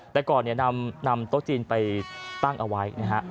แต่ก่อนนำโต๊ะจีนไปตั้งเอาไว้นะฮะ